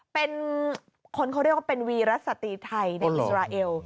เป็นคนเขาเรียกว่าเป็นวีรสตรีไทยในอิสราเอล